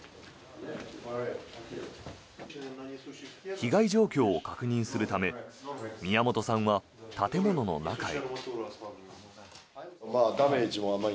被害状況を確認するため宮本さんは建物の中へ。